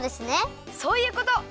そういうこと！